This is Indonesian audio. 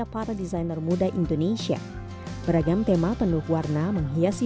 fakensi dalam industri fashion